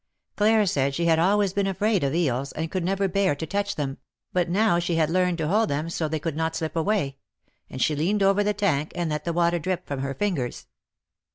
Claire said she had always been afraid of eels, and could never bear to touch them, but now she had learned to hold them so they could not slip away; and she leaned over the tank, and let the water drip from her fingers.